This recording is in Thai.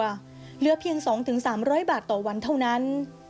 เหลือเพียงสองถึงสามร้อยบาทต่อวันเท่านั้น